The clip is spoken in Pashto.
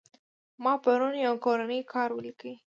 ما پرون يو کورنى کار وليکى.